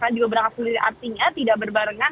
juga berangkat sendiri artinya tidak berbarengan